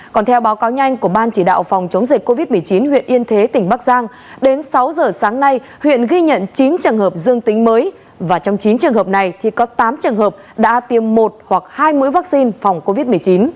còn theo báo cáo nhanh của ban chỉ đạo phòng chống dịch covid một mươi chín huyện yên thế tỉnh bắc giang đến sáu giờ sáng nay huyện ghi nhận chín trường hợp dương tính mới và trong chín trường hợp này thì có tám trường hợp đã tiêm một hoặc hai mươi vaccine phòng covid một mươi chín